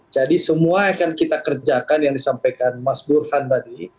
jadi semua akan kita kerjakan yang disampaikan mas burhan tadi